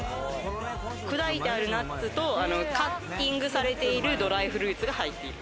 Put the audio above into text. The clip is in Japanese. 砕いてあるナッツとカッティングされているドライフルーツが入っている。